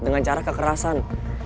dengan cara kekerasan